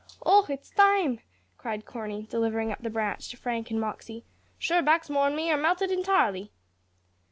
"Och, it's time!" cried Corney, delivering up the branch to Frank and Moxey; "sure Baxmore and me are melted intirely."